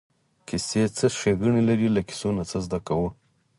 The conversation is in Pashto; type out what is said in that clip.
کیسې څه ښېګڼې لري له کیسو نه څه زده کوو.